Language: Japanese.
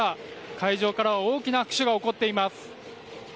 会場からは大きな拍手が起こっています。